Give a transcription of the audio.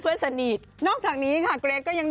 กล้วยคาร์แรคเตอร์นะคะชัดเตน